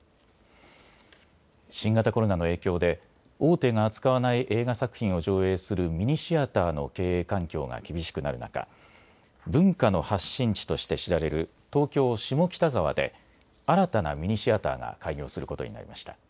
新型コロナの影響で、大手が扱わない映画作品を上映するミニシアターの経営環境が厳しくなる中、文化の発信地として知られる東京・下北沢で、新たなミニシアターが開業することになりました。